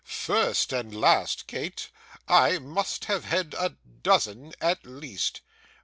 'First and last, Kate, I must have had a dozen at least.